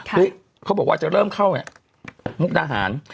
เขาบอกว่าจะเริ่มเข้ามุกดาหาร